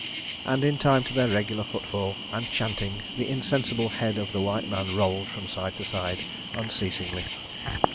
And, in time to their regular foot fall and chanting, the insensible head of the white man rolled from side to side unceasingly.